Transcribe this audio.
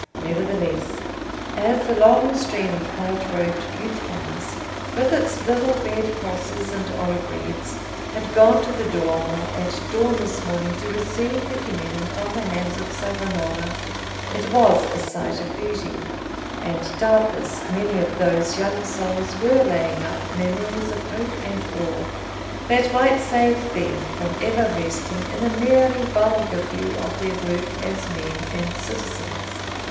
Nevertheless, as the long stream of white robed youthfulness, with its little red crosses and olive wreaths, had gone to the Duomo at dawn this morning to receive the communion from the hands of Savonarola, it was a sight of beauty; and, doubtless, many of those young souls were laying up memories of hope and awe that might save them from ever resting in a merely vulgar view of their work as men and citizens.